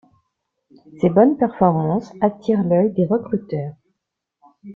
Ces bonnes performances attirent l'œil des recruteurs.